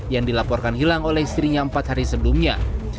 yang dilaporkan hilang oleh istrinya empat hari sebelumnya